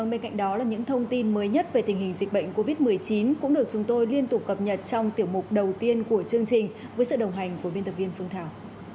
bên cạnh đó là những thông tin mới nhất về tình hình dịch bệnh covid một mươi chín cũng được chúng tôi liên tục cập nhật trong tiểu mục đầu tiên của chương trình với sự đồng hành của biên tập viên phương thảo